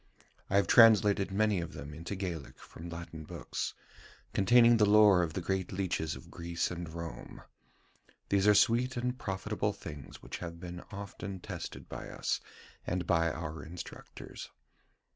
I have translated many of them into Gaelic from Latin books, containing the lore of the great leeches of Greece and Rome. These are sweet and profitable things which have been often tested by us and by our instructors.